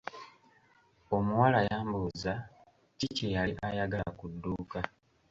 Omuwala yamubuuza ki kye yali ayagala ku dduuka.